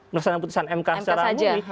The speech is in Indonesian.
melaksanakan putusan mk secara pulih